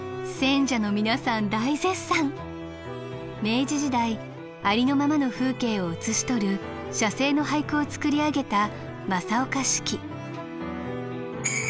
明治時代ありのままの風景を写し取る「写生」の俳句を作り上げた正岡子規。